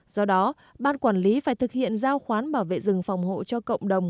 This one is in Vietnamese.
do đó ban quản lý phải thực hiện giao khoán bảo vệ rừng phòng hộ cho cộng đồng